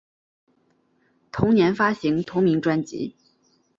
同年发行同名专辑。